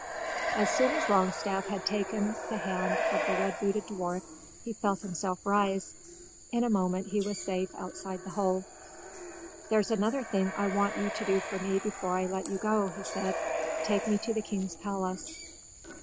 As soon as Longstaff had taken the hand of the red booted dwarf he felt himself rise. In a moment he was safe outside the hole. "There's another thing I want you to do for me before I let you go," he said. "Take me to the king's palace."